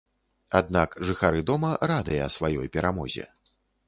Аднак жыхары дома радыя сваёй перамозе.